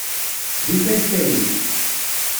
D ifalkayen.